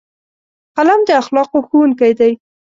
قلم د اخلاقو ښوونکی دی